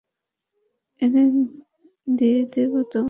এনে দিয়ে দেবো তোমায়।